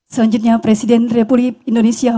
selanjutnya presiden republik indonesia